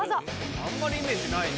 あんまりイメージないね。